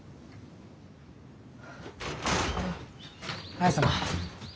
綾様。